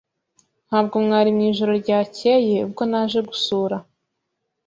Ntabwo mwari mwijoro ryakeye ubwo naje gusura.